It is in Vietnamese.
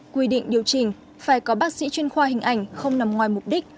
quy định điều chỉnh phải có bác sĩ chuyên khoa hình ảnh không nằm ngoài mục đích